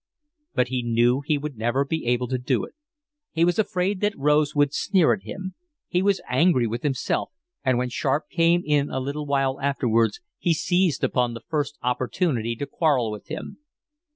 But he knew he would never be able to do it. He was afraid that Rose would sneer at him. He was angry with himself, and when Sharp came in a little while afterwards he seized upon the first opportunity to quarrel with him.